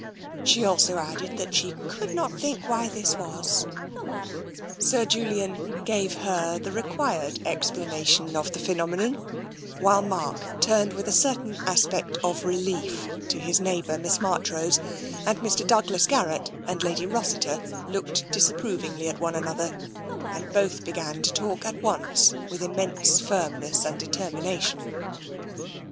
She also added that she could not think why this was. Sir Julian gave her tfie required explanation of the phenomenon, while Mark turned with a certain aspect of relief to his neighbour, Miss Marchrose, and Mr. Douglas Garrett and Lady Rossiter looked disapprov ingly at one another and both began to talk at once with immense firmness and determination.